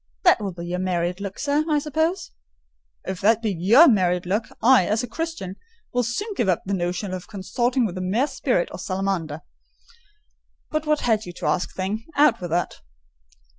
That will be your married look, sir, I suppose?" "If that will be your married look, I, as a Christian, will soon give up the notion of consorting with a mere sprite or salamander. But what had you to ask, thing,—out with it?"